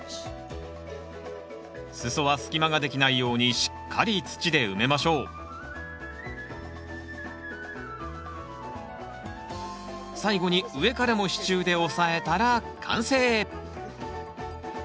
裾は隙間ができないようにしっかり土で埋めましょう最後に上からも支柱で押さえたら完成！